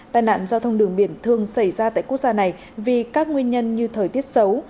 tai nạn giao thông đường biển thường xảy ra tại quốc gia này vì các nguyên nhân như thời tiết xấu